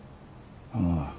ああ。